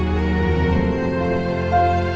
kau mau ngapain